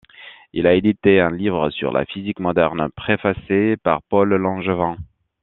Il a édité un livre sur la physique moderne préfacé par Paul Langevin.